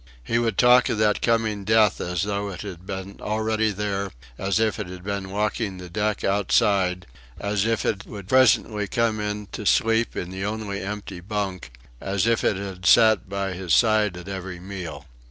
He would talk of that coming death as though it had been already there, as if it had been walking the deck outside, as if it would presently come in to sleep in the only empty bunk; as if it had sat by his side at every meal.